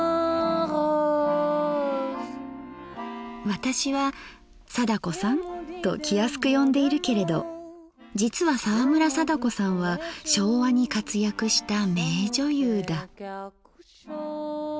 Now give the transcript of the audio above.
私は「貞子さん」と気安く呼んでいるけれど実は沢村貞子さんは昭和に活躍した名女優だ。